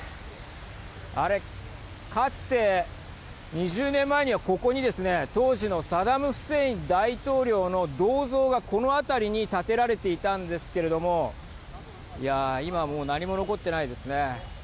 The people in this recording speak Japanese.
あれ、かつて２０年前にはここにですね当時のサダムフセイン大統領の銅像がこの辺りに建てられていたんですけれどもいや、今はもう何も残ってないですね。